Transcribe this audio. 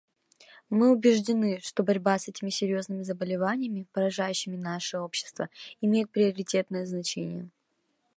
Мы убеждены, что борьба с этими серьезными заболеваниями, поражающими наши общества, имеет приоритетное значение.